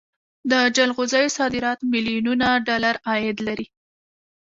د جلغوزیو صادرات میلیونونه ډالر عاید لري